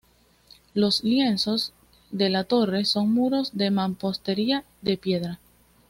Los lienzos de la torre son muros de mampostería de piedra.